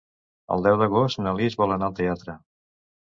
El deu d'agost na Lis vol anar al teatre.